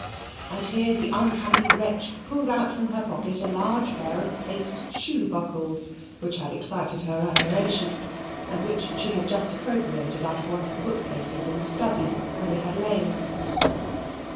And here the unhappy wretch pulled out from her pocket a large pair of paste shoe buckles which had excited her admiration, and which she had just appropriated out of one of the bookcases in the study, where they had lain.